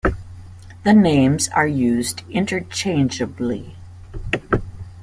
The names are used interchangeably.